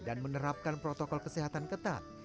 dan menerapkan protokol kesehatan ketat